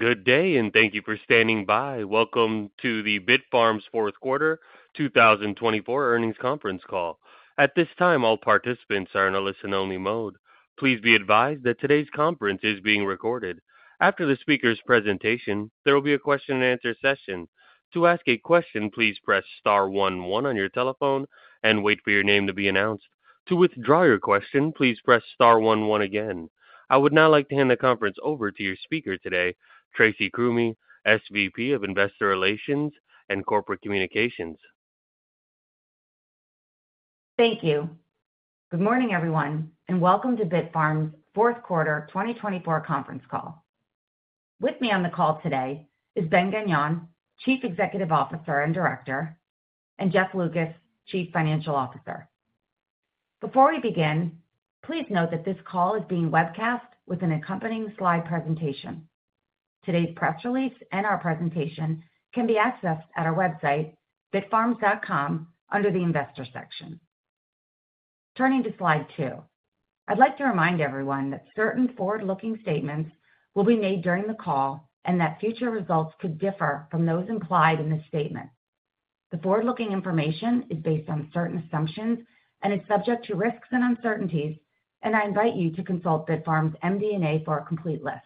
A good day, and thank you for standing by. Welcome to the Bitfarms Fourth Quarter 2024 Earnings Conference Call. At this time, all participants are in a listen-only mode. Please be advised that today's conference is being recorded. After the speaker's presentation, there will be a question-and-answer session. To ask a question, please press star, one, one on your telephone and wait for your name to be announced. To withdraw your question, please press star, one, one again. I would now like to hand the conference over to your speaker today, Tracy Krumme, SVP of Investor Relations and Corporate Communications. Thank you. Good morning, everyone, and welcome to Bitfarms Fourth Quarter 2024 Conference Call. With me on the call today is Ben Gagnon, Chief Executive Officer and Director, and Jeff Lucas, Chief Financial Officer. Before we begin, please note that this call is being webcast with an accompanying slide presentation. Today's press release and our presentation can be accessed at our website, bitfarms.com, under the Investor section. Turning to slide two, I'd like to remind everyone that certain forward-looking statements will be made during the call and that future results could differ from those implied in this statement. The forward-looking information is based on certain assumptions and is subject to risks and uncertainties, and I invite you to consult Bitfarms' MD&A for a complete list.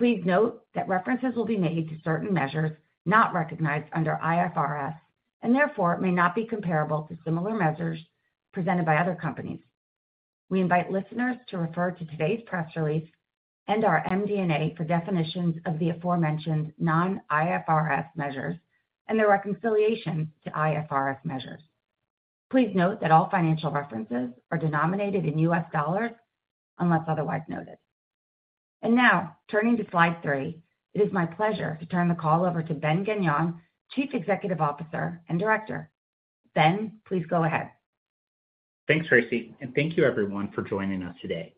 Please note that references will be made to certain measures not recognized under IFRS and therefore may not be comparable to similar measures presented by other companies. We invite listeners to refer to today's press release and our MD&A for definitions of the aforementioned non-IFRS measures and the reconciliation to IFRS measures. Please note that all financial references are denominated in U.S. dollars unless otherwise noted. Now, turning to slide three, it is my pleasure to turn the call over to Ben Gagnon, Chief Executive Officer and Director. Ben, please go ahead. Thanks, Tracy, and thank you, everyone, for joining us today.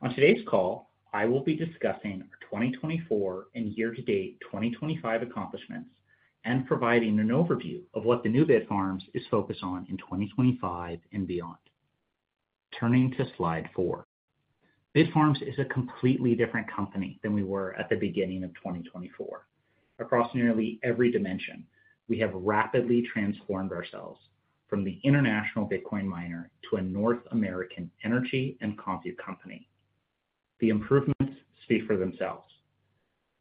On today's call, I will be discussing our 2024 and year-to-date 2025 accomplishments and providing an overview of what the new Bitfarms is focused on in 2025 and beyond. Turning to slide four, Bitfarms is a completely different company than we were at the beginning of 2024. Across nearly every dimension, we have rapidly transformed ourselves from the international Bitcoin miner to a North American energy and compute company. The improvements speak for themselves.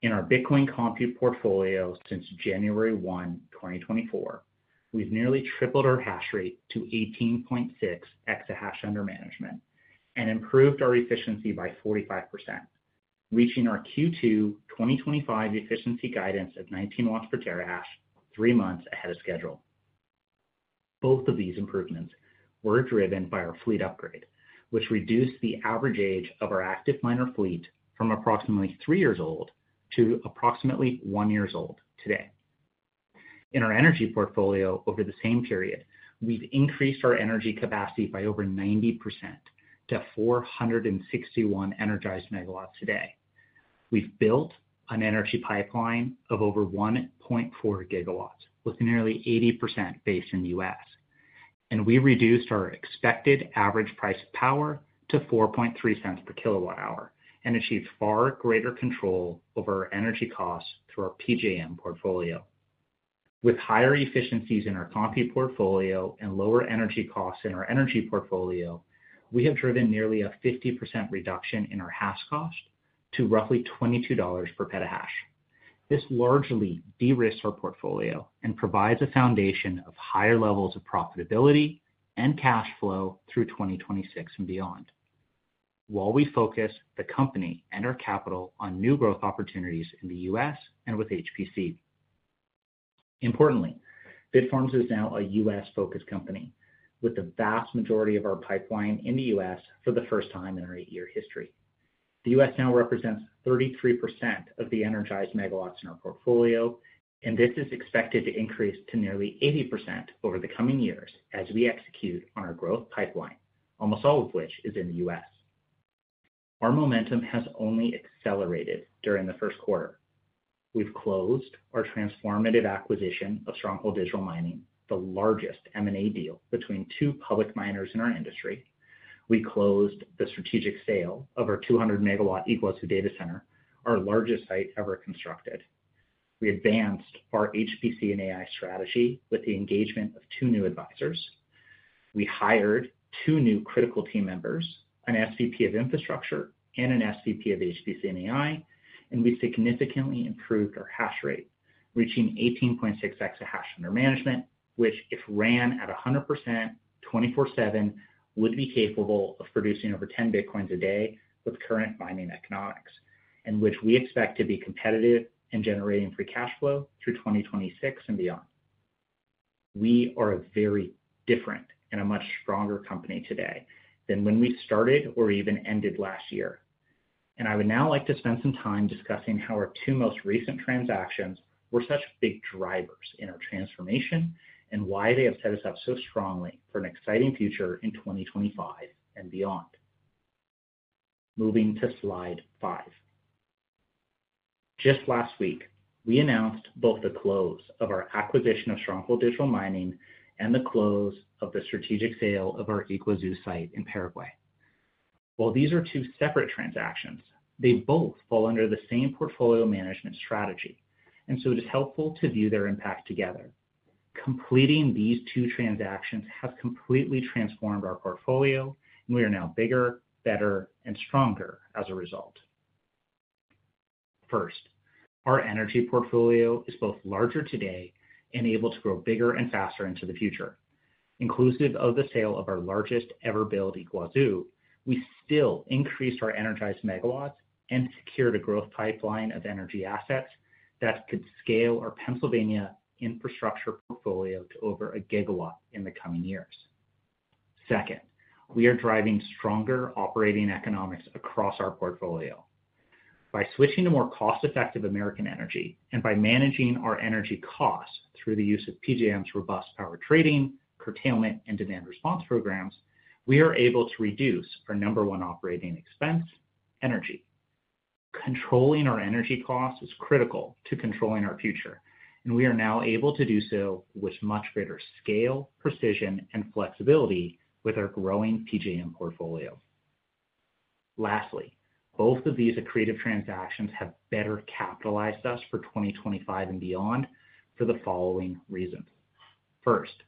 In our Bitcoin compute portfolio since January 1, 2024, we've nearly tripled our hash rate to 18.6 exahash under management and improved our efficiency by 45%, reaching our Q2 2025 efficiency guidance of 19 W per terahash three months ahead of schedule. Both of these improvements were driven by our fleet upgrade, which reduced the average age of our active miner fleet from approximately three years old to approximately one year old today. In our energy portfolio over the same period, we've increased our energy capacity by over 90% to 461 energized MW today. We've built an energy pipeline of over 1.4 GW, with nearly 80% based in the U.S. We reduced our expected average price of power to $0.043 per kWh and achieved far greater control over our energy costs through our PJM portfolio. With higher efficiencies in our compute portfolio and lower energy costs in our energy portfolio, we have driven nearly a 50% reduction in our hash cost to roughly $22 per petahash. This largely de-risked our portfolio and provides a foundation of higher levels of profitability and cash flow through 2026 and beyond. While we focus the company and our capital on new growth opportunities in the U.S. and with HPC. Importantly, Bitfarms is now a U.S.-focused company, with the vast majority of our pipeline in the U.S. for the first time in our eight-year history. The U.S. now represents 33% of the energized megawatts in our portfolio, and this is expected to increase to nearly 80% over the coming years as we execute on our growth pipeline, almost all of which is in the U.S. Our momentum has only accelerated during the first quarter. We've closed our transformative acquisition of Stronghold Digital Mining, the largest M&A deal between two public miners in our industry. We closed the strategic sale of our 200 MW Yguazu data center, our largest site ever constructed. We advanced our HPC/AI strategy with the engagement of two new advisors. We hired two new critical team members, an SVP of Infrastructure and an SVP of HPC/AI, and we significantly improved our hash rate, reaching 18.6 exahash under management, which, if ran at 100% 24/7, would be capable of producing over 10 Bitcoins a day with current mining economics, and which we expect to be competitive in generating free cash flow through 2026 and beyond. We are a very different and a much stronger company today than when we started or even ended last year. I would now like to spend some time discussing how our two most recent transactions were such big drivers in our transformation and why they have set us up so strongly for an exciting future in 2025 and beyond. Moving to slide five. Just last week, we announced both the close of our acquisition of Stronghold Digital Mining and the close of the strategic sale of our Yguazu site in Paraguay. While these are two separate transactions, they both fall under the same portfolio management strategy, and so it is helpful to view their impact together. Completing these two transactions has completely transformed our portfolio, and we are now bigger, better, and stronger as a result. First, our energy portfolio is both larger today and able to grow bigger and faster into the future. Inclusive of the sale of our largest ever-built Yguazu, we still increased our energized megawatts and secured a growth pipeline of energy assets that could scale our Pennsylvania infrastructure portfolio to over a gigawatt in the coming years. Second, we are driving stronger operating economics across our portfolio. By switching to more cost-effective American energy and by managing our energy costs through the use of PJM's robust power trading, curtailment, and demand response programs, we are able to reduce our number one operating expense, energy. Controlling our energy costs is critical to controlling our future, and we are now able to do so with much greater scale, precision, and flexibility with our growing PJM portfolio. Lastly, both of these accretive transactions have better capitalized us for 2025 and beyond for the following reasons. First,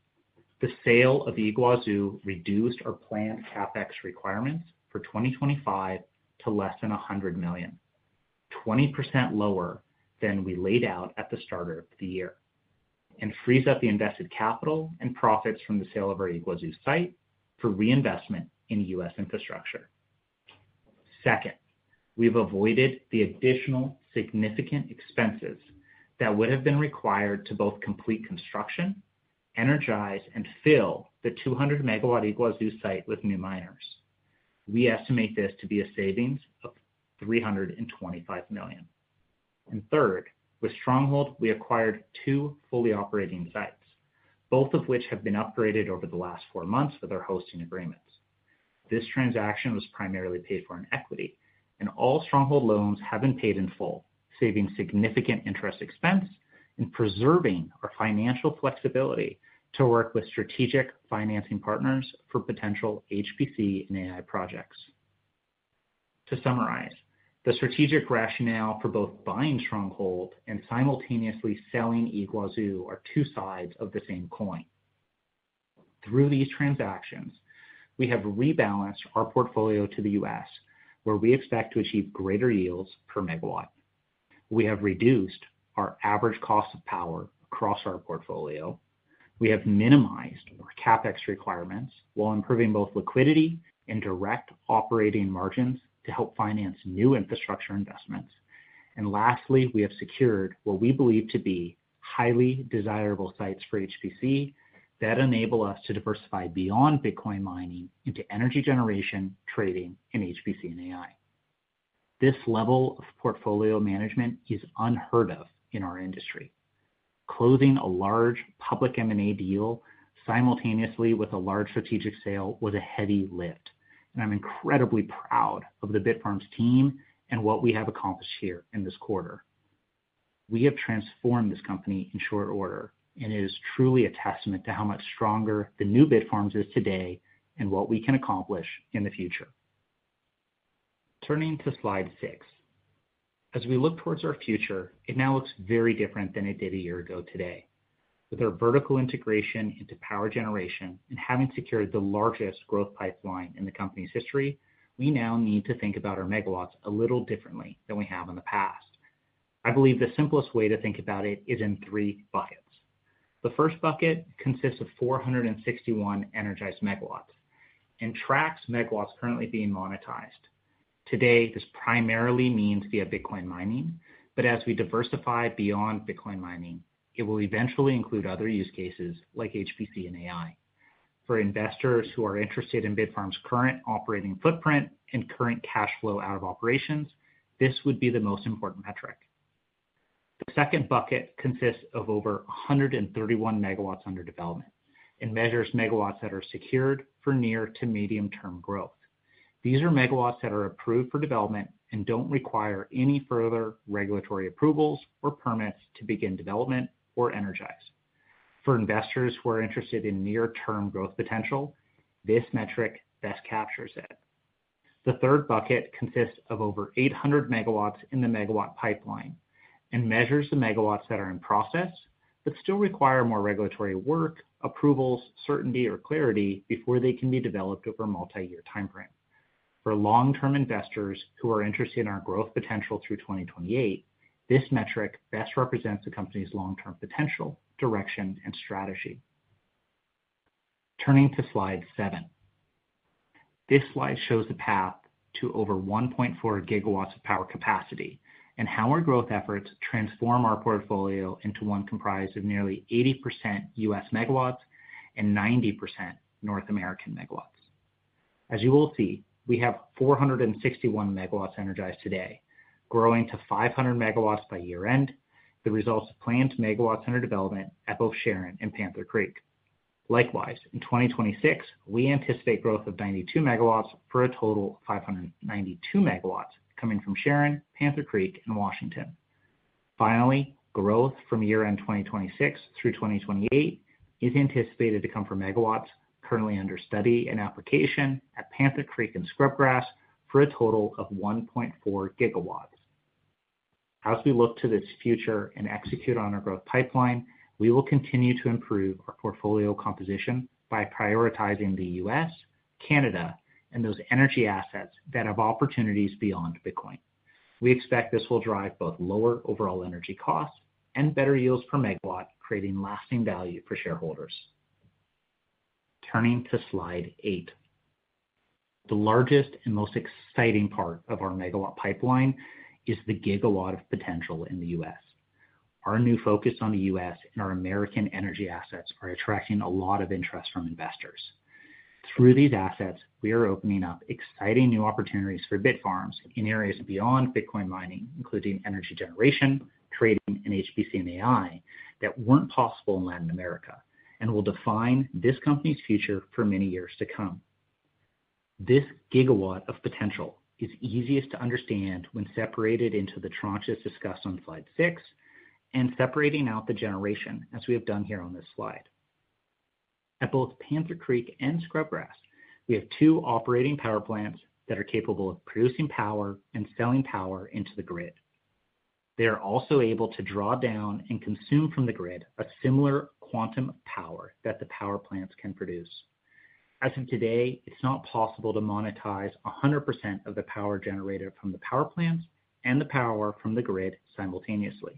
the sale of Yguazu reduced our planned CapEx requirements for 2025 to less than $100 million, 20% lower than we laid out at the start of the year, and frees up the invested capital and profits from the sale of our Yguazu site for reinvestment in U.S. infrastructure. Second, we've avoided the additional significant expenses that would have been required to both complete construction, energize, and fill the 200 MW Yguazu site with new miners. We estimate this to be a savings of $325 million. Third, with Stronghold, we acquired two fully operating sites, both of which have been upgraded over the last four months with our hosting agreements. This transaction was primarily paid for in equity, and all Stronghold loans have been paid in full, saving significant interest expense and preserving our financial flexibility to work with strategic financing partners for potential HPC/AI projects. To summarize, the strategic rationale for both buying Stronghold and simultaneously selling Yguazu are two sides of the same coin. Through these transactions, we have rebalanced our portfolio to the U.S., where we expect to achieve greater yields per megawatt. We have reduced our average cost of power across our portfolio. We have minimized our CapEx requirements while improving both liquidity and direct operating margins to help finance new infrastructure investments. Lastly, we have secured what we believe to be highly desirable sites for HPC that enable us to diversify beyond Bitcoin mining into energy generation, trading, and HPC/AI. This level of portfolio management is unheard of in our industry. Closing a large public M&A deal simultaneously with a large strategic sale was a heavy lift, and I'm incredibly proud of the Bitfarms team and what we have accomplished here in this quarter. We have transformed this company in short order, and it is truly a testament to how much stronger the new Bitfarms is today and what we can accomplish in the future. Turning to slide six, as we look towards our future, it now looks very different than it did a year ago today. With our vertical integration into power generation and having secured the largest growth pipeline in the company's history, we now need to think about our megawatts a little differently than we have in the past. I believe the simplest way to think about it is in three buckets. The first bucket consists of 461 energized MW and tracks megawatts currently being monetized. Today, this primarily means via Bitcoin mining, but as we diversify beyond Bitcoin mining, it will eventually include other use cases like HPC/AI. For investors who are interested in Bitfarms' current operating footprint and current cash flow out of operations, this would be the most important metric. The second bucket consists of over 131 MW under development and measures megawatts that are secured for near to medium-term growth. These are megawatts that are approved for development and do not require any further regulatory approvals or permits to begin development or energize. For investors who are interested in near-term growth potential, this metric best captures it. The third bucket consists of over 800 MW in the megawatt pipeline and measures the megawatts that are in process but still require more regulatory work, approvals, certainty, or clarity before they can be developed over a multi-year timeframe. For long-term investors who are interested in our growth potential through 2028, this metric best represents the company's long-term potential, direction, and strategy. Turning to slide seven, this slide shows the path to over 1.4 GW of power capacity and how our growth efforts transform our portfolio into one comprised of nearly 80% U.S. MW and 90% North American megawatts. As you will see, we have 461 MW energized today, growing to 500 MW by year-end, the results of planned megawatts under development at both Sharon and Panther Creek. Likewise, in 2026, we anticipate growth of 92 MW for a total of 592 MW coming from Sharon, Panther Creek, and Washington. Finally, growth from year-end 2026 through 2028 is anticipated to come from megawatts currently under study and application at Panther Creek and Scrubgrass for a total of 1.4 GW. As we look to this future and execute on our growth pipeline, we will continue to improve our portfolio composition by prioritizing the U.S., Canada, and those energy assets that have opportunities beyond Bitcoin. We expect this will drive both lower overall energy costs and better yields per megawatt, creating lasting value for shareholders. Turning to slide eight, the largest and most exciting part of our megawatt pipeline is the gigawatt of potential in the U.S. Our new focus on the U.S. and our American energy assets are attracting a lot of interest from investors. Through these assets, we are opening up exciting new opportunities for Bitfarms in areas beyond Bitcoin mining, including energy generation, trading, and HPC/AI that were not possible in Latin America and will define this company's future for many years to come. This gigawatt of potential is easiest to understand when separated into the tranches discussed on slide six and separating out the generation, as we have done here on this slide. At both Panther Creek and Scrubgrass, we have two operating power plants that are capable of producing power and selling power into the grid. They are also able to draw down and consume from the grid a similar quantum of power that the power plants can produce. As of today, it is not possible to monetize 100% of the power generated from the power plants and the power from the grid simultaneously.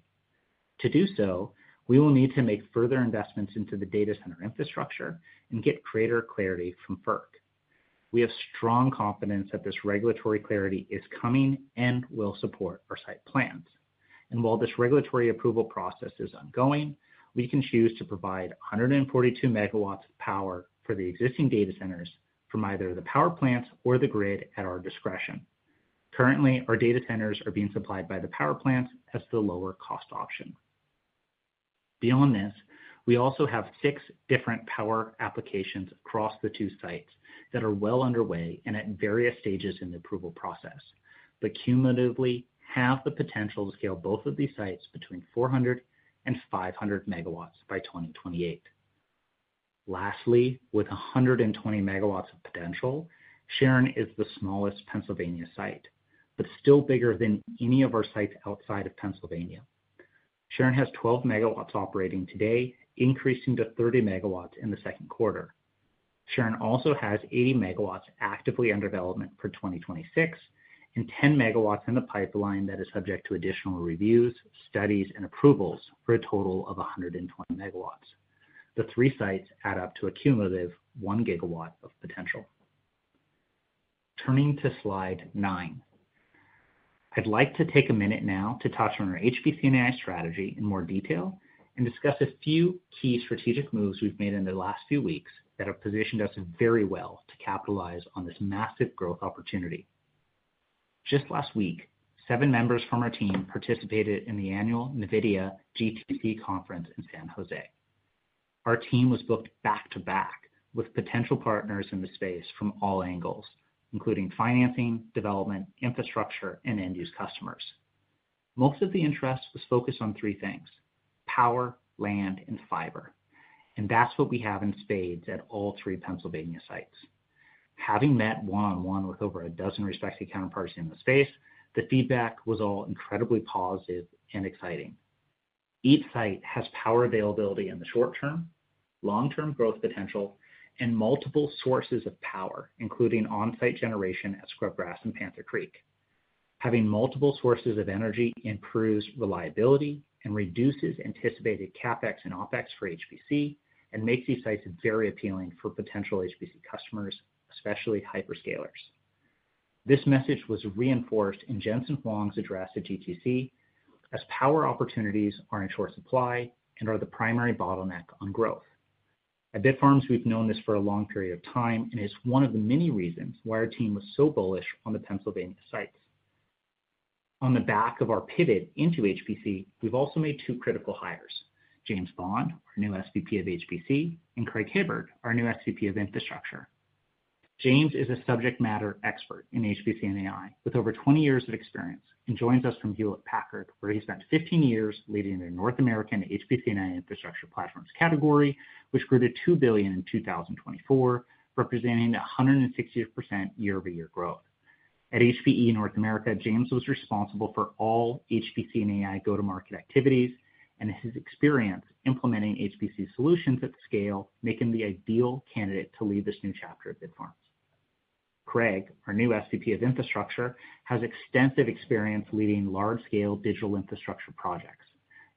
To do so, we will need to make further investments into the data center infrastructure and get greater clarity from FERC. We have strong confidence that this regulatory clarity is coming and will support our site plans. While this regulatory approval process is ongoing, we can choose to provide 142 MW of power for the existing data centers from either the power plants or the grid at our discretion. Currently, our data centers are being supplied by the power plants as the lower cost option. Beyond this, we also have six different power applications across the two sites that are well underway and at various stages in the approval process, but cumulatively have the potential to scale both of these sites between 400 and 500 MW by 2028. Lastly, with 120 MW of potential, Sharon is the smallest Pennsylvania site, but still bigger than any of our sites outside of Pennsylvania. Sharon has 12 MW operating today, increasing to 30 MW in the second quarter. Sharon also has 80 MW actively under development for 2026 and 10 MW in the pipeline that is subject to additional reviews, studies, and approvals for a total of 120 MW. The three sites add up to a cumulative one gigawatt of potential. Turning to slide nine, I'd like to take a minute now to touch on our HPC/AI strategy in more detail and discuss a few key strategic moves we've made in the last few weeks that have positioned us very well to capitalize on this massive growth opportunity. Just last week, seven members from our team participated in the annual NVIDIA GTC conference in San Jose. Our team was booked back to back with potential partners in the space from all angles, including financing, development, infrastructure, and end-use customers. Most of the interest was focused on three things: power, land, and fiber. That is what we have in spades at all three Pennsylvania sites. Having met one-on-one with over a dozen respected counterparts in the space, the feedback was all incredibly positive and exciting. Each site has power availability in the short term, long-term growth potential, and multiple sources of power, including on-site generation at Scrubgrass and Panther Creek. Having multiple sources of energy improves reliability and reduces anticipated CapEx and OpEx for HPC and makes these sites very appealing for potential HPC customers, especially hyperscalers. This message was reinforced in Jensen Huang's address at GTC, as power opportunities are in short supply and are the primary bottleneck on growth. At Bitfarms, we've known this for a long period of time, and it's one of the many reasons why our team was so bullish on the Pennsylvania sites. On the back of our pivot into HPC, we've also made two critical hires: James Bond, our new SVP of HPC, and Craig Hibbard, our new SVP of Infrastructure. James is a subject matter expert in HPC/AI with over 20 years of experience and joins us from Hewlett Packard Enterprise, where he spent 15 years leading the North American HPC/AI Infrastructure Platforms category, which grew to $2 billion in 2024, representing 160% year-over-year growth. At HPE North America, James was responsible for all HPC/AI go-to-market activities and his experience implementing HPC solutions at scale, making him the ideal candidate to lead this new chapter of Bitfarms. Craig, our new SVP of Infrastructure, has extensive experience leading large-scale digital infrastructure projects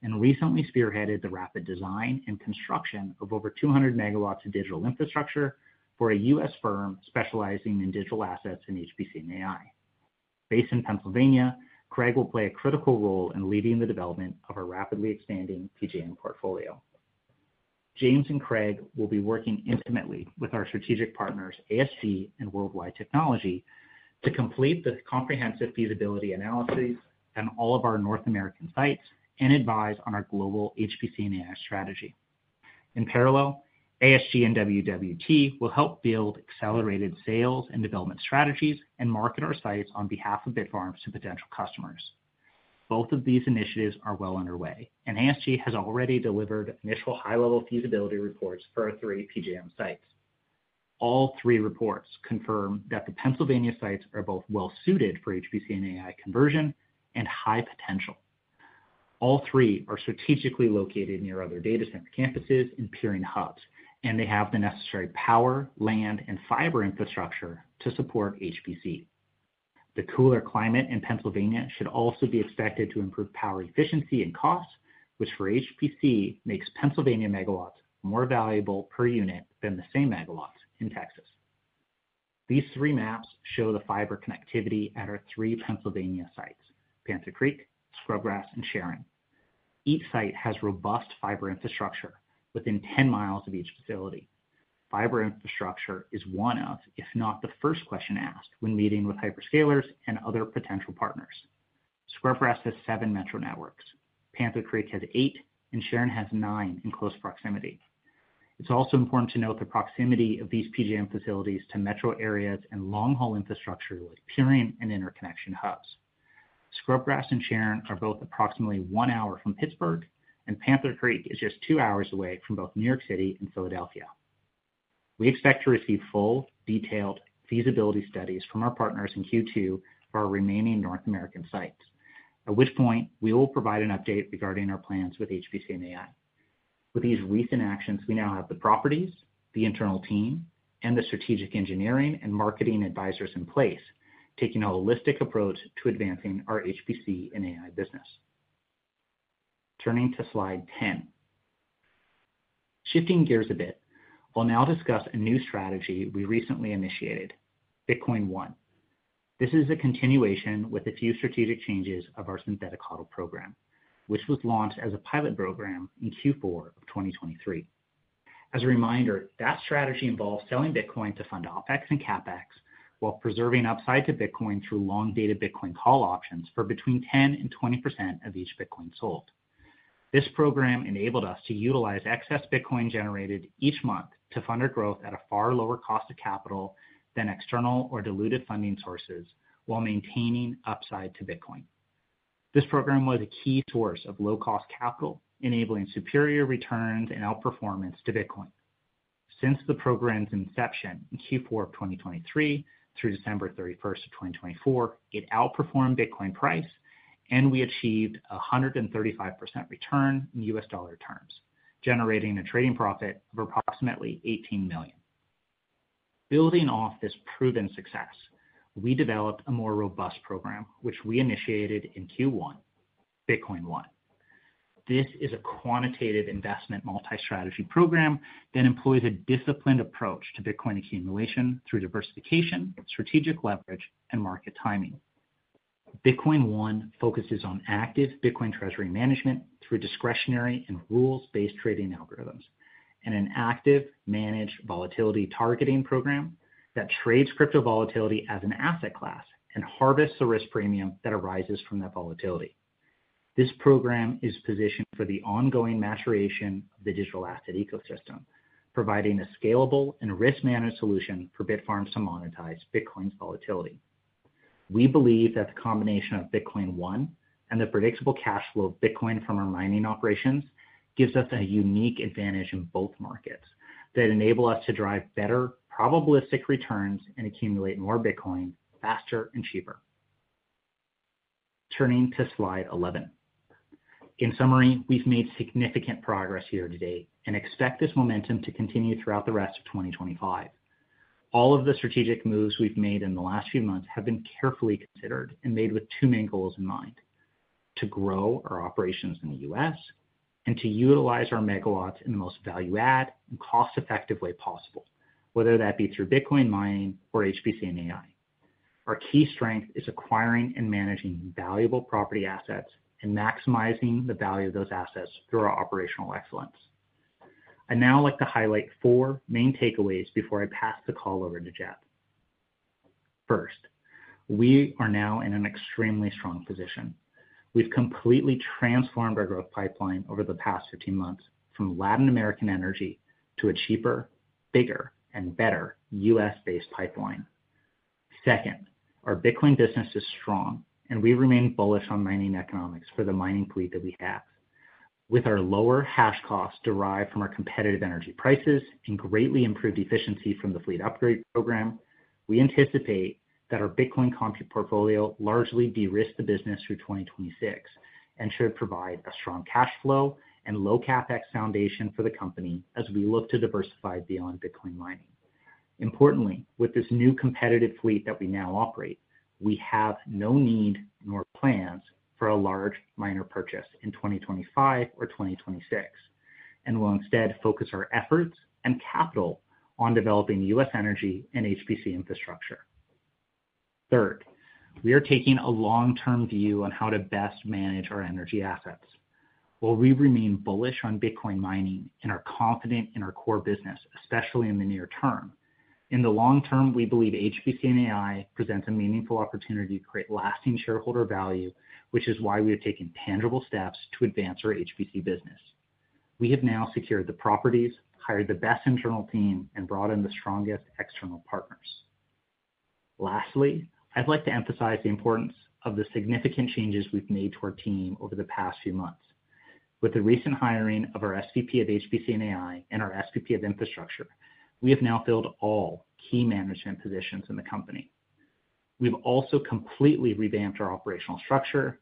and recently spearheaded the rapid design and construction of over 200 MW of digital infrastructure for a U.S. firm specializing in digital assets and HPC/AI. Based in Pennsylvania, Craig will play a critical role in leading the development of our rapidly expanding PJM portfolio. James and Craig will be working intimately with our strategic partners, ASG and World Wide Technology, to complete the comprehensive feasibility analysis at all of our North American sites and advise on our global HPC/AI strategy. In parallel, ASG and WWT will help build accelerated sales and development strategies and market our sites on behalf of Bitfarms to potential customers. Both of these initiatives are well underway, and ASG has already delivered initial high-level feasibility reports for our three PJM sites. All three reports confirm that the Pennsylvania sites are both well-suited for HPC/AI conversion and high potential. All three are strategically located near other data center campuses and peering hubs, and they have the necessary power, land, and fiber infrastructure to support HPC. The cooler climate in Pennsylvania should also be expected to improve power efficiency and cost, which for HPC makes Pennsylvania megawatts more valuable per unit than the same megawatts in Texas. These three maps show the fiber connectivity at our three Pennsylvania sites: Panther Creek, Scrubgrass, and Sharon. Each site has robust fiber infrastructure within 10 mi of each facility. Fiber infrastructure is one of, if not the first question asked when meeting with hyperscalers and other potential partners. Scrubgrass has seven metro networks. Panther Creek has eight, and Sharon has nine in close proximity. It's also important to note the proximity of these PJM facilities to metro areas and long-haul infrastructure like peering and interconnection hubs. Scrubgrass and Sharon are both approximately one hour from Pittsburgh, and Panther Creek is just two hours away from both New York City and Philadelphia. We expect to receive full, detailed feasibility studies from our partners in Q2 for our remaining North American sites, at which point we will provide an update regarding our plans with HPC/AI. With these recent actions, we now have the properties, the internal team, and the strategic engineering and marketing advisors in place, taking a holistic approach to advancing our HPC/AI business. Turning to slide 10, shifting gears a bit, I'll now discuss a new strategy we recently initiated: Bitcoin One. This is a continuation with a few strategic changes of our synthetic HODL program, which was launched as a pilot program in Q4 of 2023. As a reminder, that strategy involves selling Bitcoin to fund OpEx and CapEx while preserving upside to Bitcoin through long-dated Bitcoin call options for between 10% and 20% of each Bitcoin sold. This program enabled us to utilize excess Bitcoin generated each month to fund our growth at a far lower cost of capital than external or diluted funding sources while maintaining upside to Bitcoin. This program was a key source of low-cost capital, enabling superior returns and outperformance to Bitcoin. Since the program's inception in Q4 of 2023 through December 31 of 2024, it outperformed Bitcoin price, and we achieved a 135% return in U.S. dollar terms, generating a trading profit of approximately $18 million. Building off this proven success, we developed a more robust program, which we initiated in Q1: Bitcoin One. This is a quantitative investment multi-strategy program that employs a disciplined approach to Bitcoin accumulation through diversification, strategic leverage, and market timing. Bitcoin One focuses on active Bitcoin treasury management through discretionary and rules-based trading algorithms and an active managed volatility targeting program that trades crypto volatility as an asset class and harvests the risk premium that arises from that volatility. This program is positioned for the ongoing maturation of the digital asset ecosystem, providing a scalable and risk-managed solution for Bitfarms to monetize Bitcoin's volatility. We believe that the combination of Bitcoin One and the predictable cash flow of Bitcoin from our mining operations gives us a unique advantage in both markets that enable us to drive better probabilistic returns and accumulate more Bitcoin faster and cheaper. Turning to slide 11, in summary, we have made significant progress here today and expect this momentum to continue throughout the rest of 2025. All of the strategic moves we've made in the last few months have been carefully considered and made with two main goals in mind: to grow our operations in the U.S. and to utilize our megawatts in the most value-add and cost-effective way possible, whether that be through Bitcoin mining or HPC/AI. Our key strength is acquiring and managing valuable property assets and maximizing the value of those assets through our operational excellence. I'd now like to highlight four main takeaways before I pass the call over to Jeff. First, we are now in an extremely strong position. We've completely transformed our growth pipeline over the past 15 months from Latin American energy to a cheaper, bigger, and better U.S.-based pipeline. Second, our Bitcoin business is strong, and we remain bullish on mining economics for the mining fleet that we have. With our lower hash costs derived from our competitive energy prices and greatly improved efficiency from the fleet upgrade program, we anticipate that our Bitcoin compute portfolio largely de-risked the business through 2026 and should provide a strong cash flow and low CapEx foundation for the company as we look to diversify beyond Bitcoin mining. Importantly, with this new competitive fleet that we now operate, we have no need nor plans for a large miner purchase in 2025 or 2026 and will instead focus our efforts and capital on developing U.S. energy and HPC infrastructure. Third, we are taking a long-term view on how to best manage our energy assets. While we remain bullish on Bitcoin mining and are confident in our core business, especially in the near term, in the long term, we believe HPC/AI present a meaningful opportunity to create lasting shareholder value, which is why we are taking tangible steps to advance our HPC business. We have now secured the properties, hired the best internal team, and brought in the strongest external partners. Lastly, I'd like to emphasize the importance of the significant changes we've made to our team over the past few months. With the recent hiring of our SVP of HPC/AI and our SVP of Infrastructure, we have now filled all key management positions in the company. We've also completely revamped our operational structure,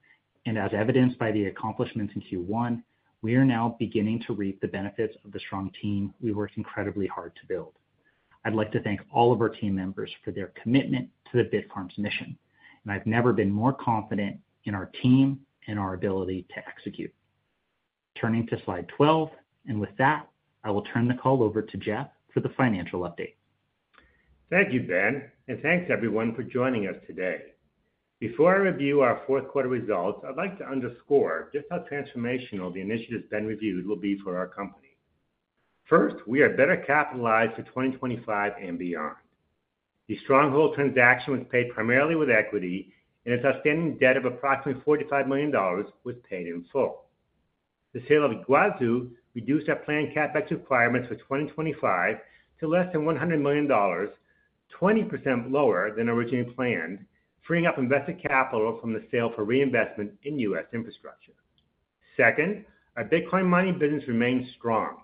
and as evidenced by the accomplishments in Q1, we are now beginning to reap the benefits of the strong team we worked incredibly hard to build. I'd like to thank all of our team members for their commitment to the Bitfarms mission, and I've never been more confident in our team and our ability to execute. Turning to slide 12, and with that, I will turn the call over to Jeff for the financial update. Thank you, Ben, and thanks everyone for joining us today. Before I review our fourth quarter results, I'd like to underscore just how transformational the initiatives Ben reviewed will be for our company. First, we are better capitalized for 2025 and beyond. The Stronghold transaction was paid primarily with equity, and its outstanding debt of approximately $45 million was paid in full. The sale of Yguazu reduced our planned CapEx requirements for 2025 to less than $100 million, 20% lower than originally planned, freeing up invested capital from the sale for reinvestment in U.S. infrastructure. Second, our Bitcoin mining business remains strong.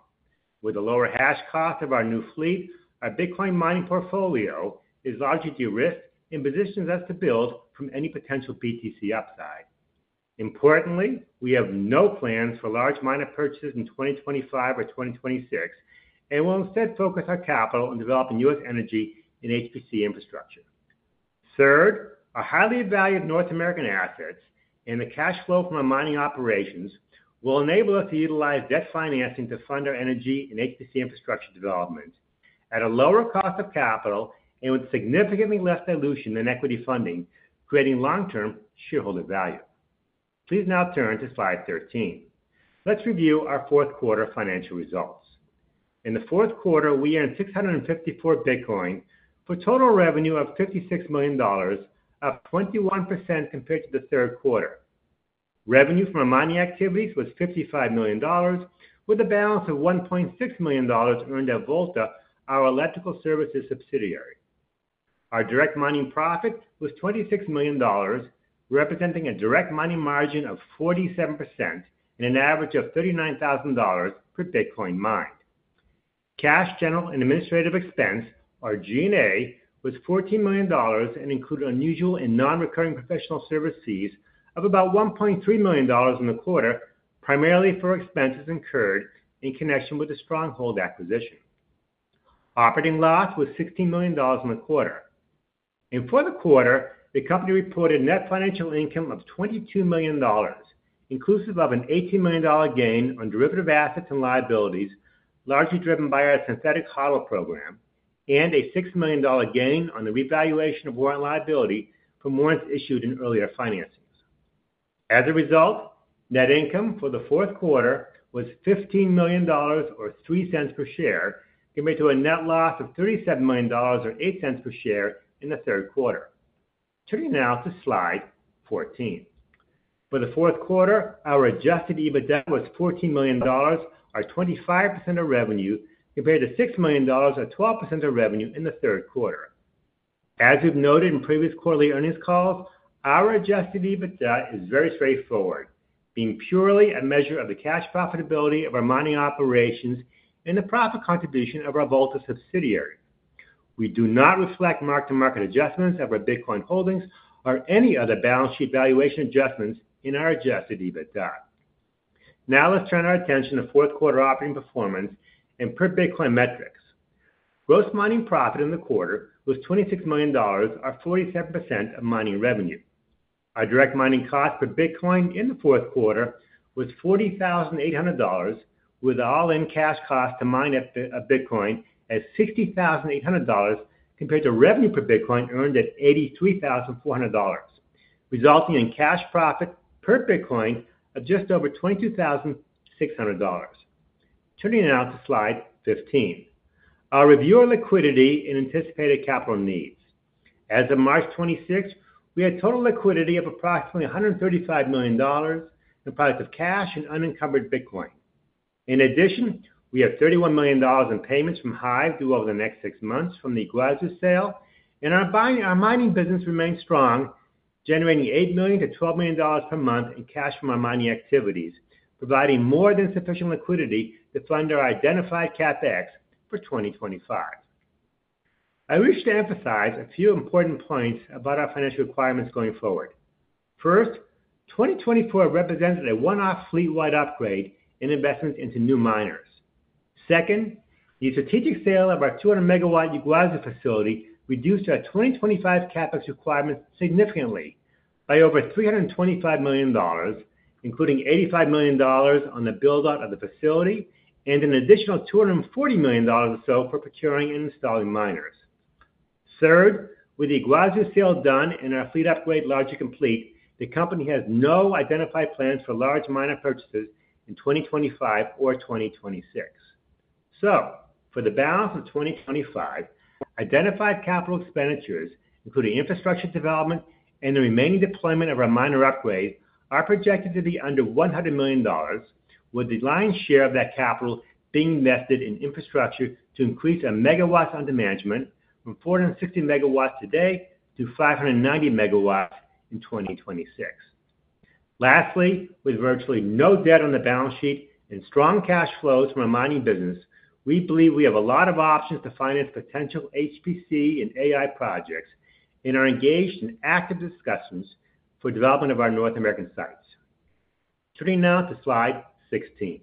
With the lower hash cost of our new fleet, our Bitcoin mining portfolio is largely de-risked and positions us to build from any potential BTC upside. Importantly, we have no plans for large miner purchases in 2025 or 2026, and we'll instead focus our capital on developing U.S. energy and HPC infrastructure. Third, our highly valued North American assets and the cash flow from our mining operations will enable us to utilize debt financing to fund our energy and HPC infrastructure development at a lower cost of capital and with significantly less dilution than equity funding, creating long-term shareholder value. Please now turn to slide 13. Let's review our fourth quarter financial results. In the fourth quarter, we earned 654 Bitcoin for a total revenue of $56 million, up 21% compared to the third quarter. Revenue from our mining activities was $55 million, with a balance of $1.6 million earned at Volta, our electrical services subsidiary. Our direct mining profit was $26 million, representing a direct mining margin of 47% and an average of $39,000 per Bitcoin mined. Cash general and administrative expense, or G&A, was $14 million and included unusual and non-recurring professional service fees of about $1.3 million in the quarter, primarily for expenses incurred in connection with the Stronghold acquisition. Operating loss was $16 million in the quarter. In the fourth quarter, the company reported net financial income of $22 million, inclusive of an $18 million gain on derivative assets and liabilities, largely driven by our Synthetic HODL program, and a $6 million gain on the revaluation of warrant liability from warrants issued in earlier financings. As a result, net income for the fourth quarter was $15 million, or $0.03 per share, compared to a net loss of $37 million, or $0.08 per share in the third quarter. Turning now to slide 14. For the fourth quarter, our adjusted EBITDA was $14 million, or 25% of revenue, compared to $6 million, or 12% of revenue in the third quarter. As we've noted in previous CoreWeave earnings calls, our adjusted EBITDA is very straightforward, being purely a measure of the cash profitability of our mining operations and the profit contribution of our Volta subsidiary. We do not reflect mark-to-market adjustments of our Bitcoin holdings or any other balance sheet valuation adjustments in our adjusted EBITDA. Now let's turn our attention to fourth quarter operating performance and per Bitcoin metrics. Gross mining profit in the quarter was $26 million, or 47% of mining revenue. Our direct mining cost per Bitcoin in the fourth quarter was $40,800, with all-in cash cost to mine a Bitcoin at $60,800 compared to revenue per Bitcoin earned at $83,400, resulting in cash profit per Bitcoin of just over $22,600. Turning now to slide 15, I'll review our liquidity and anticipated capital needs. As of March 26, we had total liquidity of approximately $135 million in product of cash and unencumbered Bitcoin. In addition, we have $31 million in payments from HIVE due over the next six months from the Yguazu sale, and our mining business remains strong, generating $8 million-$12 million per month in cash from our mining activities, providing more than sufficient liquidity to fund our identified CapEx for 2025. I wish to emphasize a few important points about our financial requirements going forward. First, 2024 represented a one-off fleet-wide upgrade and investments into new miners. Second, the strategic sale of our 200 MW Yguazu facility reduced our 2025 CapEx requirements significantly by over $325 million, including $85 million on the build-out of the facility and an additional $240 million or so for procuring and installing miners. Third, with the Yguazu sale done and our fleet upgrade largely complete, the company has no identified plans for large miner purchases in 2025 or 2026. For the balance of 2025, identified capital expenditures, including infrastructure development and the remaining deployment of our miner upgrade, are projected to be under $100 million, with the lion's share of that capital being invested in infrastructure to increase our megawatts under management from 460 MW today to 590 MW in 2026. Lastly, with virtually no debt on the balance sheet and strong cash flows from our mining business, we believe we have a lot of options to finance potential HPC/AI projects and are engaged in active discussions for development of our North American sites. Turning now to slide 16.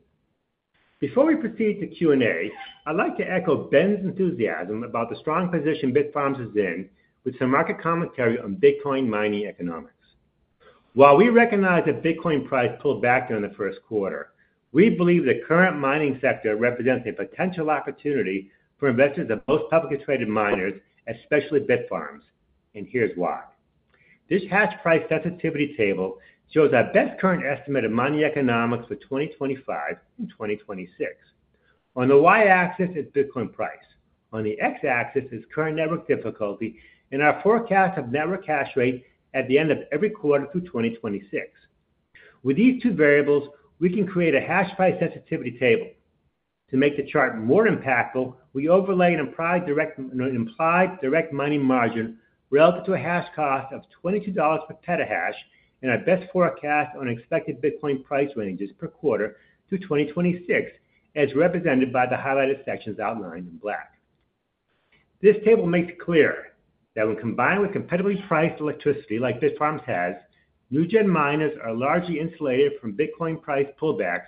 Before we proceed to Q&A, I'd like to echo Ben's enthusiasm about the strong position Bitfarms is in with some market commentary on Bitcoin mining economics. While we recognize that Bitcoin price pulled back during the first quarter, we believe the current mining sector represents a potential opportunity for investors of most publicly traded miners, especially Bitfarms, and here's why. This hash price sensitivity table shows our best current estimate of mining economics for 2025 and 2026. On the Y-axis is Bitcoin price. On the X-axis is current network difficulty and our forecast of network hash rate at the end of every quarter through 2026. With these two variables, we can create a hash price sensitivity table. To make the chart more impactful, we overlay an implied direct mining margin relative to a hash cost of $22 per petahash and our best forecast on expected Bitcoin price ranges per quarter through 2026, as represented by the highlighted sections outlined in black. This table makes it clear that when combined with competitively priced electricity like Bitfarms has, new-gen miners are largely insulated from Bitcoin price pullbacks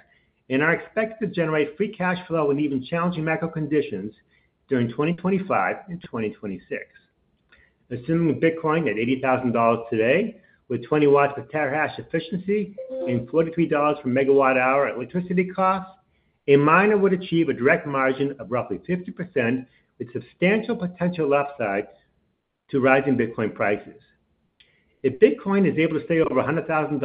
and are expected to generate free cash flow in even challenging micro conditions during 2025 and 2026. Assuming Bitcoin at $80,000 today, with 20 W per terahash efficiency and $43 per MWh electricity cost, a miner would achieve a direct margin of roughly 50% with substantial potential upside to rising Bitcoin prices. If Bitcoin is able to stay over $100,000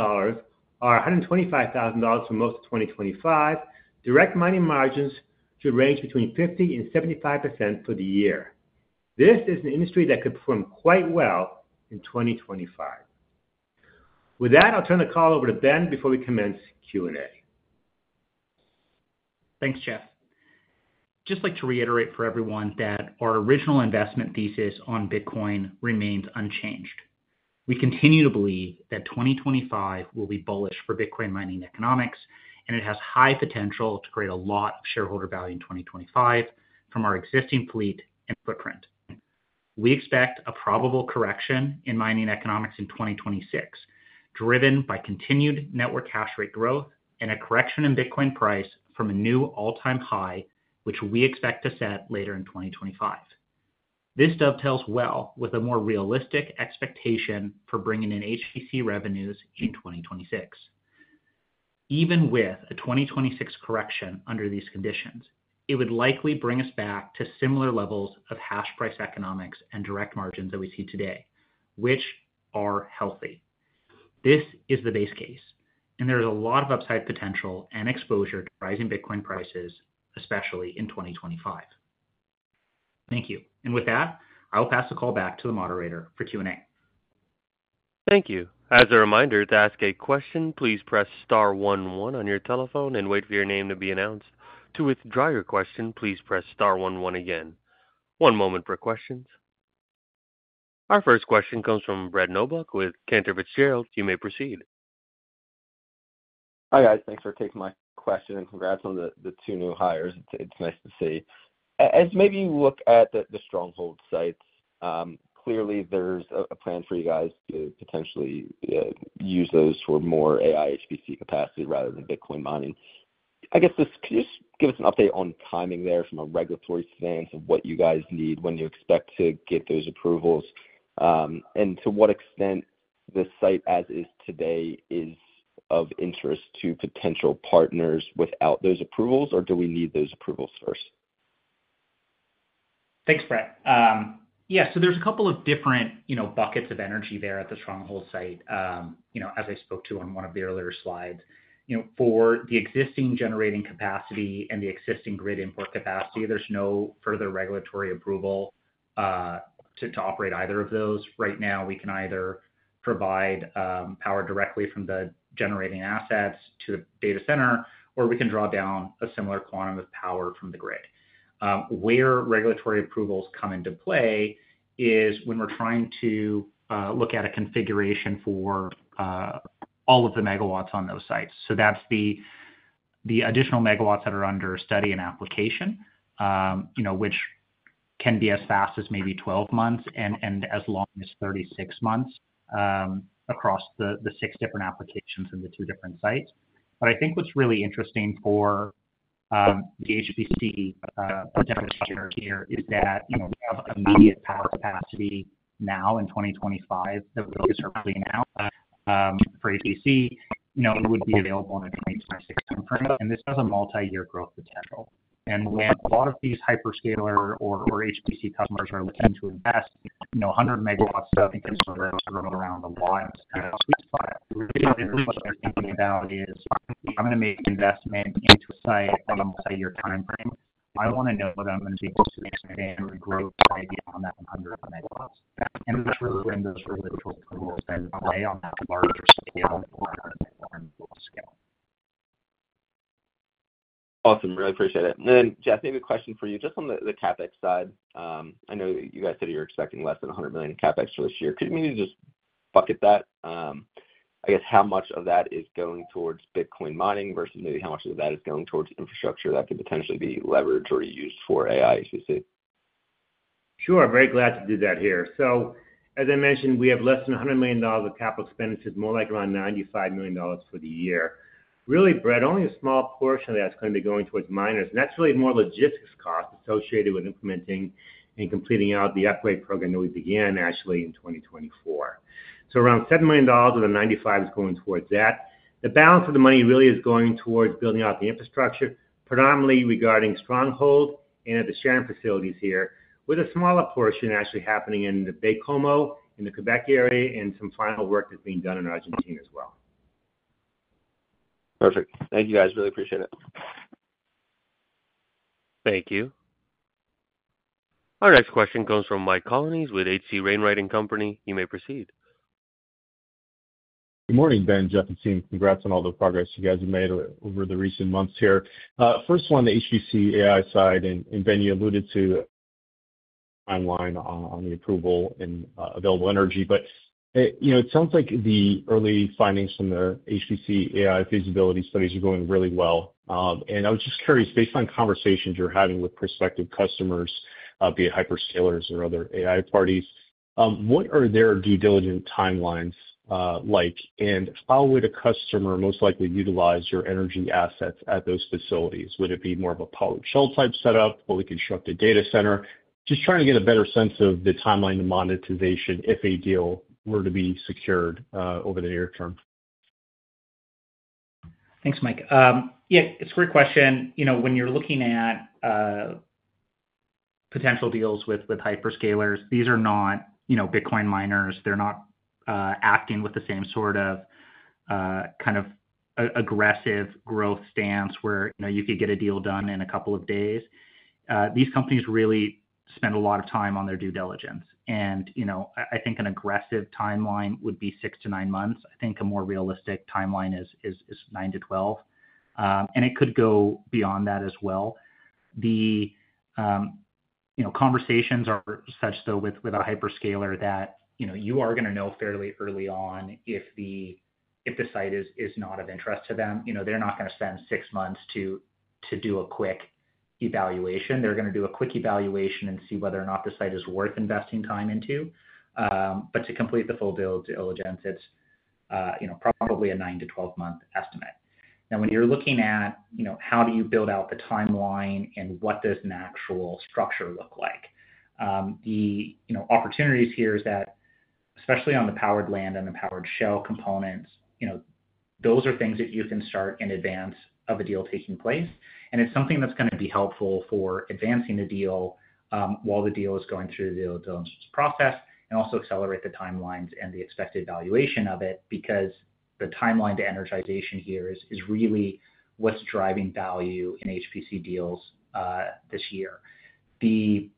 or $125,000 for most of 2025, direct mining margins should range between 50%-75% for the year. This is an industry that could perform quite well in 2025. With that, I'll turn the call over to Ben before we commence Q&A. Thanks, Jeff. Just like to reiterate for everyone that our original investment thesis on Bitcoin remains unchanged. We continue to believe that 2025 will be bullish for Bitcoin mining economics, and it has high potential to create a lot of shareholder value in 2025 from our existing fleet and footprint. We expect a probable correction in mining economics in 2026, driven by continued network hash rate growth and a correction in Bitcoin price from a new all-time high, which we expect to set later in 2025. This dovetails well with a more realistic expectation for bringing in HPC revenues in 2026. Even with a 2026 correction under these conditions, it would likely bring us back to similar levels of hash price economics and direct margins that we see today, which are healthy. This is the base case, and there is a lot of upside potential and exposure to rising Bitcoin prices, especially in 2025. Thank you. With that, I will pass the call back to the moderator for Q&A. Thank you. As a reminder, to ask a question, please press star 11 on your telephone and wait for your name to be announced. To withdraw your question, please press star 11 again. One moment for questions. Our first question comes from Brett Knoblauch with Cantor Fitzgerald. You may proceed. Hi guys, thanks for taking my question and congrats on the two new hires. It's nice to see. As maybe you look at the Stronghold sites, clearly there's a plan for you guys to potentially use those for more AI HPC capacity rather than Bitcoin mining. I guess this, could you just give us an update on timing there from a regulatory stance of what you guys need, when you expect to get those approvals, and to what extent the site as is today is of interest to potential partners without those approvals, or do we need those approvals first? Thanks, Brett. Yeah, so there's a couple of different buckets of energy there at the Stronghold site, as I spoke to on one of the earlier slides. For the existing generating capacity and the existing grid import capacity, there's no further regulatory approval to operate either of those. Right now, we can either provide power directly from the generating assets to the data center, or we can draw down a similar quantum of power from the grid. Where regulatory approvals come into play is when we're trying to look at a configuration for all of the megawatts on those sites. That's the additional megawatts that are under study and application, which can be as fast as maybe 12 months and as long as 36 months across the six different applications and the two different sites. I think what's really interesting for the HPC potential here is that we have immediate power capacity now in 2025 that we're looking at starting out for HPC, it would be available in a 2026 timeframe, and this has a multi-year growth potential. When a lot of these hyperscaler or HPC customers are looking to invest, 100 MW in terms of row to row around a lot kind of sweet spot. Really, really what they're thinking about is, I'm going to make an investment into a site on a multi-year timeframe. I want to know that I'm going to be able to expand and grow probably beyond that 100 MW. That's really when those regulatory approvals then play on that larger scale or that more ample scale. Awesome. Really appreciate it. Then, Jeff, maybe a question for you. Just on the CapEx side, I know you guys said you're expecting less than $100 million in CapEx for this year. Could you maybe just bucket that? I guess how much of that is going towards Bitcoin mining versus maybe how much of that is going towards infrastructure that could potentially be leveraged or used for AI HPC? Sure. I'm very glad to do that here. As I mentioned, we have less than $100 million of capital expenditures, more like around $95 million for the year. Really, Brett, only a small portion of that is going to be going towards miners. And that's really more logistics costs associated with implementing and completing out the upgrade program that we began actually in 2024. Around $7 million of the $95 million is going towards that. The balance of the money really is going towards building out the infrastructure, predominantly regarding Stronghold and at the Sharon facilities here, with a smaller portion actually happening in the Baie-Comeau, in the Quebec area, and some final work that's being done in Argentina as well. Perfect. Thank you guys. Really appreciate it. Thank you. Our next question comes from Mike Colonnese with H.C. Wainwright Company. You may proceed. Good morning, Ben, Jeff, and team. Congrats on all the progress you guys have made over the recent months here. First one, the HPC/AI side, and Ben, you alluded to the timeline on the approval and available energy. It sounds like the early findings from the HPC/AI feasibility studies are going really well. I was just curious, based on conversations you're having with prospective customers, be it hyperscalers or other AI parties, what are their due diligence timelines like, and how would a customer most likely utilize your energy assets at those facilities? Would it be more of a polished shell type setup, fully constructed data center? Just trying to get a better sense of the timeline to monetization if a deal were to be secured over the near term. Thanks, Mike. Yeah, it's a great question. When you're looking at potential deals with hyperscalers, these are not Bitcoin miners. They're not acting with the same sort of kind of aggressive growth stance where you could get a deal done in a couple of days. These companies really spend a lot of time on their due diligence. I think an aggressive timeline would be six to nine months. I think a more realistic timeline is nine to twelve. And it could go beyond that as well. The conversations are such though with a hyperscaler that you are going to know fairly early on if the site is not of interest to them. They're not going to spend six months to do a quick evaluation. They're going to do a quick evaluation and see whether or not the site is worth investing time into. But to complete the full due diligence, it's probably a nine to twelve-month estimate. Now, when you're looking at how do you build out the timeline and what does an actual structure look like, the opportunities here is that, especially on the powered land and the powered shell components, those are things that you can start in advance of a deal taking place. It is something that is going to be helpful for advancing the deal while the deal is going through the due diligence process and also accelerate the timelines and the expected valuation of it because the timeline to energization here is really what is driving value in HPC deals this year. The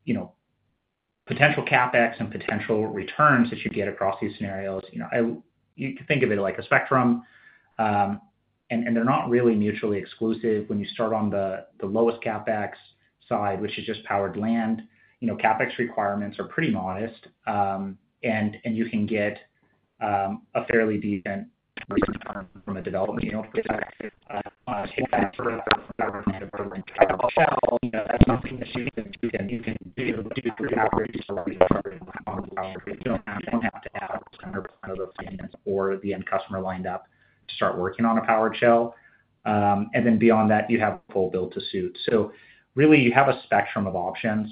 potential CapEx and potential returns that you get across these scenarios, you could think of it like a spectrum, and they are not really mutually exclusive. When you start on the lowest CapEx side, which is just powered land, CapEx requirements are pretty modest, and you can get a fairly decent return from a development perspective. On a scale for the entire shell, that is something that you can do to get out of the starting point. You do not have to have 100% of those payments or the end customer lined up to start working on a powered shell. Then beyond that, you have a full build to suit. You have a spectrum of options.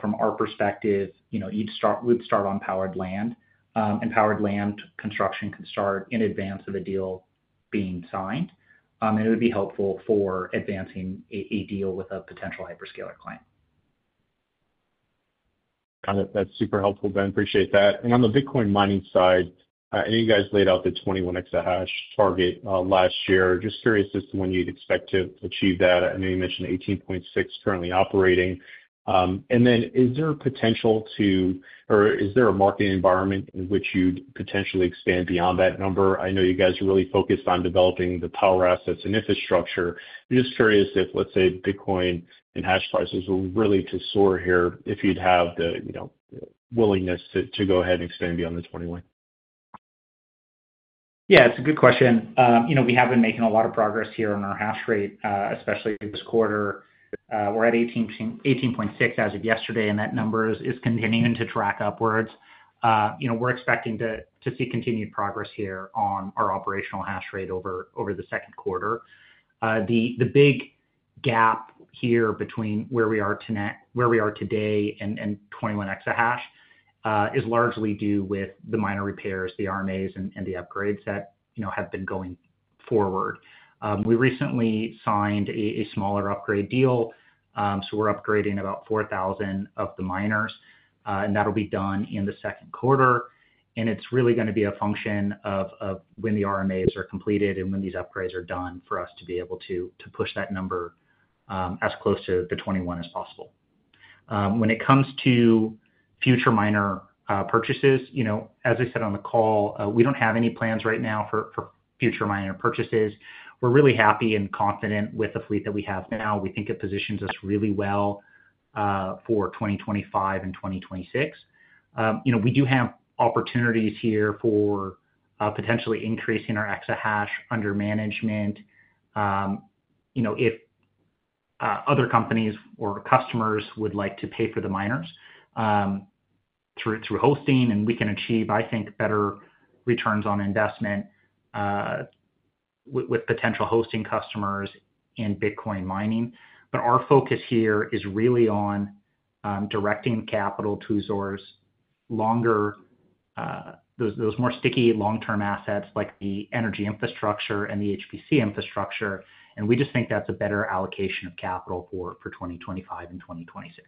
From our perspective, you'd start on powered land, and powered land construction can start in advance of a deal being signed. It would be helpful for advancing a deal with a potential hyperscaler client. Got it. That's super helpful, Ben. Appreciate that. On the Bitcoin mining side, I know you guys laid out the 21 exahash target last year. Just curious as to when you'd expect to achieve that. I know you mentioned 18.6 currently operating. Is there a potential to, or is there a market environment in which you'd potentially expand beyond that number? I know you guys are really focused on developing the power assets and infrastructure. I'm just curious if, let's say, Bitcoin and hash prices were really to soar here, if you'd have the willingness to go ahead and expand beyond the 21. Yeah, it's a good question. We have been making a lot of progress here on our hash rate, especially this quarter. We're at 18.6 as of yesterday, and that number is continuing to track upwards. We're expecting to see continued progress here on our operational hash rate over the second quarter. The big gap here between where we are today and 21 exahash is largely due with the miner repairs, the RMAs, and the upgrades that have been going forward. We recently signed a smaller upgrade deal, so we're upgrading about 4,000 of the miners, and that'll be done in the second quarter. It is really going to be a function of when the RMAs are completed and when these upgrades are done for us to be able to push that number as close to the 21 as possible. When it comes to future miner purchases, as I said on the call, we do not have any plans right now for future miner purchases. We are really happy and confident with the fleet that we have now. We think it positions us really well for 2025 and 2026. We do have opportunities here for potentially increasing our exahash under management if other companies or customers would like to pay for the miners through hosting, and we can achieve, I think, better returns on investment with potential hosting customers and Bitcoin mining. Our focus here is really on directing capital to those more sticky long-term assets like the energy infrastructure and the HPC infrastructure. We just think that's a better allocation of capital for 2025 and 2026.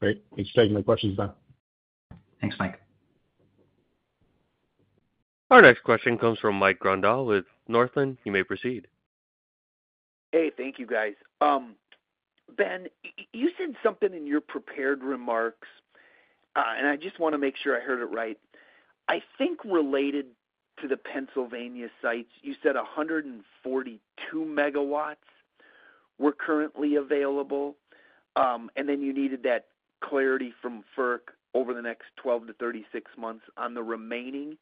Great. Thanks for taking my questions, Ben. Thanks, Mike. Our next question comes from Mike Grondahl with Northland. You may proceed. Hey, thank you, guys. Ben, you said something in your prepared remarks, and I just want to make sure I heard it right. I think related to the Pennsylvania sites, you said 142 MW were currently available, and then you needed that clarity from FERC over the next 12-36 months on the remaining.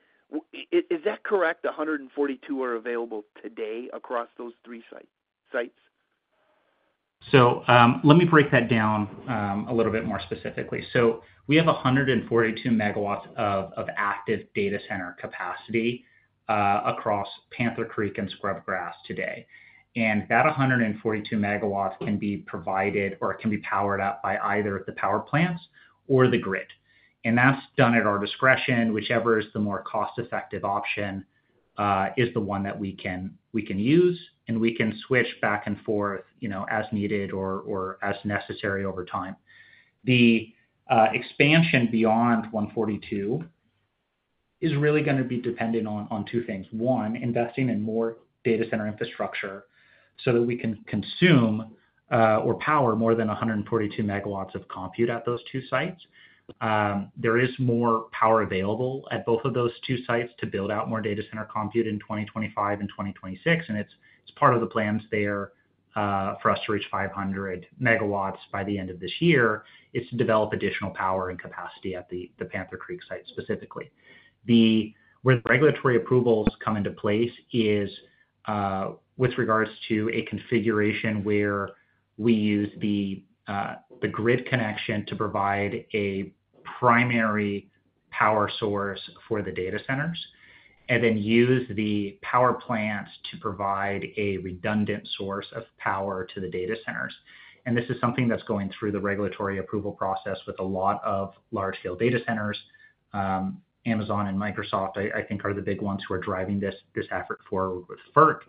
Is that correct? 142 are available today across those three sites? Let me break that down a little bit more specifically. We have 142 MW of active data center capacity across Panther Creek and Scrubgrass today. That 142 MW can be provided or can be powered up by either the power plants or the grid. That's done at our discretion. Whichever is the more cost-effective option is the one that we can use, and we can switch back and forth as needed or as necessary over time. The expansion beyond 142 is really going to be dependent on two things. One, investing in more data center infrastructure so that we can consume or power more than 142 MW of compute at those two sites. There is more power available at both of those two sites to build out more data center compute in 2025 and 2026. It is part of the plans there for us to reach 500 MW by the end of this year to develop additional power and capacity at the Panther Creek site specifically. Where the regulatory approvals come into place is with regards to a configuration where we use the grid connection to provide a primary power source for the data centers and then use the power plants to provide a redundant source of power to the data centers. This is something that's going through the regulatory approval process with a lot of large-scale data centers. Amazon and Microsoft, I think, are the big ones who are driving this effort forward with FERC.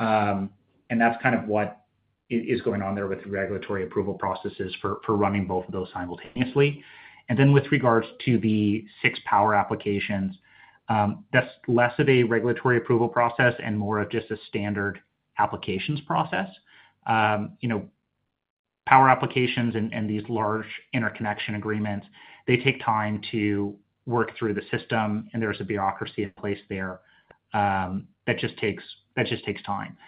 That's kind of what is going on there with the regulatory approval processes for running both of those simultaneously. With regards to the six power applications, that's less of a regulatory approval process and more of just a standard applications process. Power applications and these large interconnection agreements, they take time to work through the system, and there's a bureaucracy in place there that just takes time.